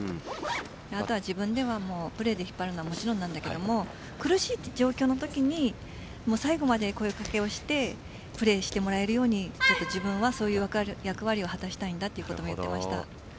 自分ではプレーで引っ張るのはもちろんなんだけども苦しい状況のときに最後まで声かけをしてプレーしてもらえるように自分は役割を果たしたいということも言っていました。